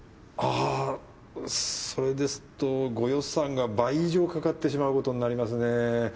あそれですとご予算が倍以上かかってしまうことになりますね。